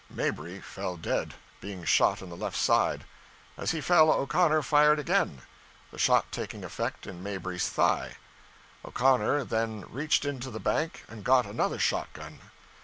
Mabry fell dead, being shot in the left side. As he fell O'Connor fired again, the shot taking effect in Mabry's thigh. O'Connor then reached into the bank and got another shot gun.